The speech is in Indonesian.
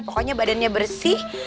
pokoknya badannya bersih